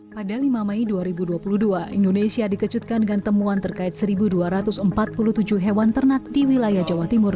pada lima mei dua ribu dua puluh dua indonesia dikejutkan dengan temuan terkait satu dua ratus empat puluh tujuh hewan ternak di wilayah jawa timur